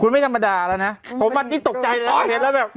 คุณไม่ธรรมดาแล้วนะผมอันนี้ตกใจแล้วเห็นแล้วแบบ